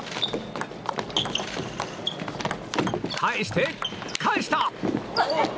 返して、返した！